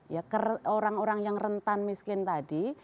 ya orang orang yang rentan miskin tadi